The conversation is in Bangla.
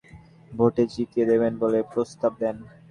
এরপর তিনি দুই লাখ টাকা দিলে ভোটে জিতিয়ে দেবেন বলে প্রস্তাব দেন।